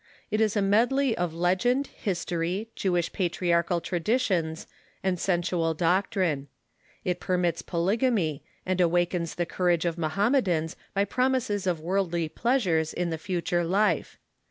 It is a medley of legend, history, Jewish patriarchal traditions, and sensual doctrine. It permits polyg amy, and awakens the courage of Mohammedans by promises of worldly pleasures in the future life.